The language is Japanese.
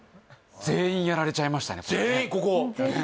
全員やられちゃいましたねねえねえ